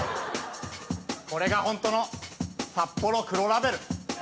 これがホントのサッポロ黒ラベル